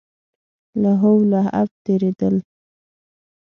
لهو لعب تېرېدل.